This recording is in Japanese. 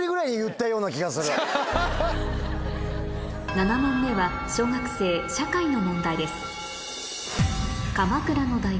７問目は小学生社会の問題です